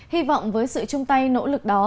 hy vọng với sự chung tay nỗ lực đó